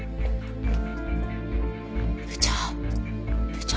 部長！